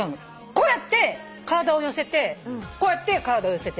こうやって体を寄せてこうやって体を寄せてるの。